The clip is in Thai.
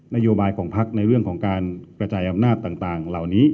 นโยบายของพักในเรื่องของการกระจายอำนาจต่างเหล่านี้